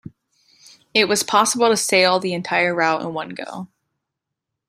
It was possible to sail the entire route in one go.